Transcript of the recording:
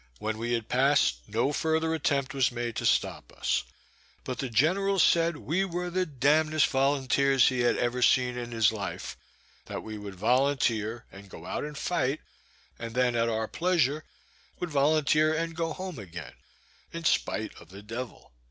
When we had passed, no further attempt was made to stop us; but the general said, we were "the damned'st volunteers he had ever seen in his life; that we would volunteer and go out and fight, and then at our pleasure would volunteer and go home again, in spite of the devil."